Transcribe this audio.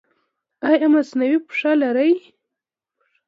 ایا مصنوعي پښه لرئ؟